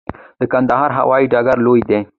د کندهار هوايي ډګر لوی دی